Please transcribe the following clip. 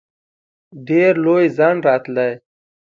ډېر لوی ځنډ راتلی.